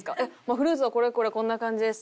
「フルーツはこれこれこんな感じです」。